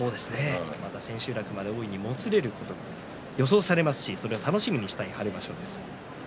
まだ千秋楽まで大いにもつれることが予想されますしそれを楽しみにしたい春場所です。